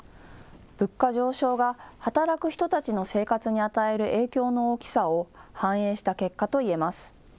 物価上昇が働く人たちの生活に与える影響の大きさを反映した結果といえます。